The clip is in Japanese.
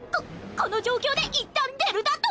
ここの状況でいったん出るだと！？